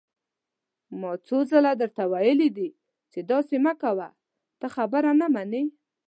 ما څو ځله درته ويلي دي چې داسې مه کوه، ته خبره نه منې!